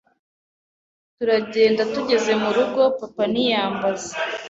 turagenda tugeze mu rugo papa ntiyambaza